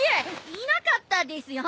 いなかったですよ！